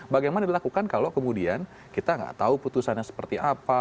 bagaimana dilakukan kalau kemudian kita nggak tahu putusannya seperti apa